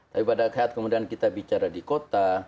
tapi pada saat kemudian kita bicara di kota